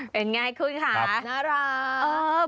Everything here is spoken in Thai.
เป็นไงคุณค่ะน่ารัก